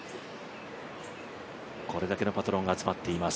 これだけのパトロンが集まっています